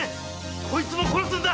こいつも殺すんだ！